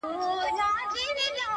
غوجله سمبول د وحشت ښکاري ډېر,